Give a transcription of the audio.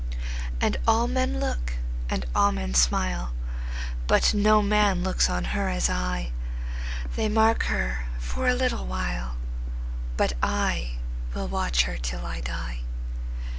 And all men look, and all men smile, But no man looks on her as I:They mark her for a little while, But I will watch her till I die.